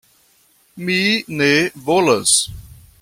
Mi ne volas!